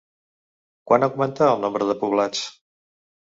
Quan augmentà el nombre de poblats?